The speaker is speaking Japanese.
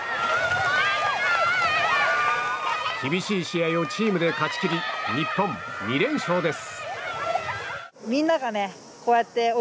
厳しい試合をチームで勝ち切り日本２連勝です。